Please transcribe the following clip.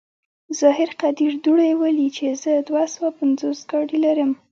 ظاهر قدير دوړې ولي چې زه دوه سوه پينځوس ګاډي لرم.